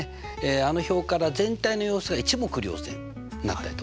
あの表から全体の様子が一目瞭然になったりとかね